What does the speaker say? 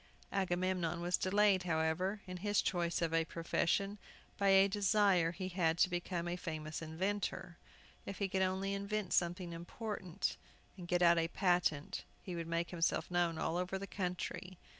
Agamemnon was delayed, however, in his choice of a profession, by a desire he had to become a famous inventor. If he could only invent something important, and get out a patent, he would make himself known all over the country.